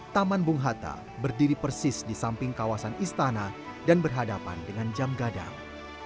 taman bung hatta berdiri persis di samping kawasan istana dan berhadapan dengan jam gadang